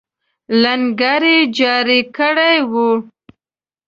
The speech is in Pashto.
لنګر یې جاري کړی وو.